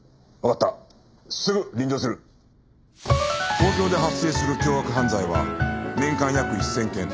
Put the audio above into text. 東京で発生する凶悪犯罪は年間約１０００件